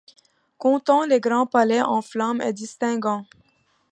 Comptant les grands palais en flamme, et distinguant